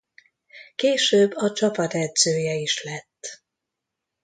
Később a csapat edzője is lett.